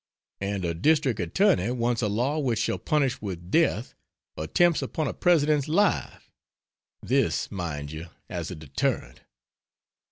And a District Attorney wants a law which shall punish with death attempts upon a President's life this, mind you, as a deterrent.